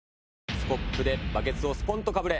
スコップでバケツをスポンとかぶれ！